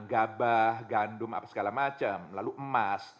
gabah gandum apa segala macam lalu emas